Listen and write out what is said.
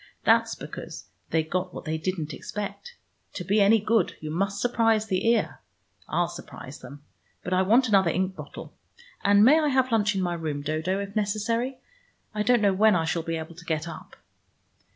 That's because they got what they didn't expect. To be any good, you must surprise the ear. I'll surprise them. But I want another ink bottle. And may I have lunch in my room, Dodo, if necessary? I don't know when I shall be able to get up."